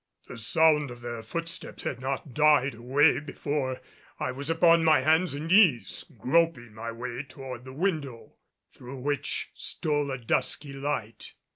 The sound of their footsteps had not died away before I was upon my hands and knees groping my way toward the window, through which stole a dusky light.